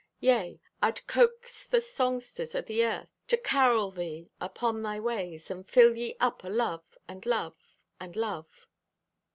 Yea, I'd coax the songsters o' the earth To carol thee upon thy ways, And fill ye up o' love and love and love.